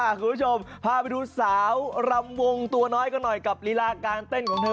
คุณผู้ชมพาไปดูสาวรำวงตัวน้อยกันหน่อยกับลีลาการเต้นของเธอ